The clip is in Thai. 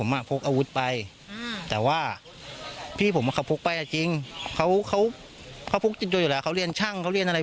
อ่าผมมีแต่เมื่อกี้บีปุ๊บครั้งบาทพอมีถึงจะเลยเรื่องที่เราแต้ว่ากับ